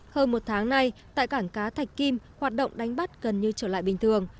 hơn một tháng nay tại cảng cá thạch kim hoạt động đánh bắt gần như trở lại bình thường